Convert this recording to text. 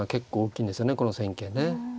この戦型ね。